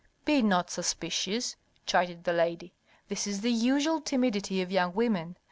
"Be not suspicious," chided the lady. "This is the usual timidity of young women.